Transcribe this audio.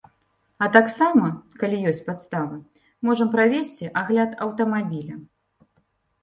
А таксама, калі ёсць падставы, можам правесці агляд аўтамабіля.